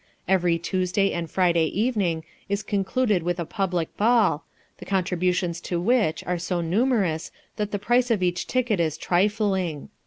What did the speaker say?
Every Tuesday and Friday evening is concluded with a public ball, the contributions to which are so numerous, that the price of each ticket is trifling.